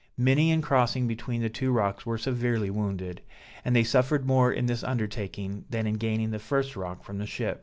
Many in crossing between the two rocks were severely wounded; and they suffered more in this undertaking than in gaining the first rock from the ship.